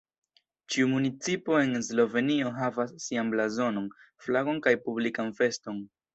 Ĉiu municipo en Slovenio havas sian blazonon, flagon kaj publikan feston.